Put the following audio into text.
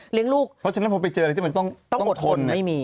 เพราะฉะนั้นพอไปเจออะไรที่มันต้องอดทนต้องอดทนไม่มี